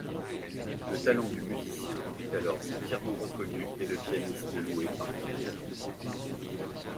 Le talent du musicien est alors entièrement reconnu et le pianiste loué partout.